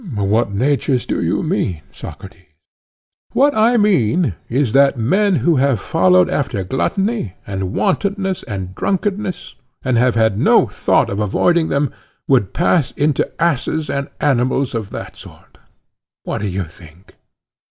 What natures do you mean, Socrates? What I mean is that men who have followed after gluttony, and wantonness, and drunkenness, and have had no thought of avoiding them, would pass into asses and animals of that sort. What do you think?